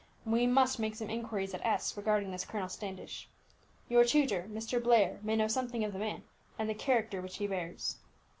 We must make some inquiries at S regarding this Colonel Standish. Your tutor, Mr. Blair, may know something of the man, and the character which he bears."